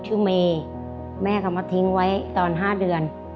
เมย์แม่เขามาทิ้งไว้ตอน๕เดือน